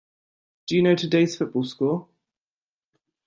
Do you know today's football score?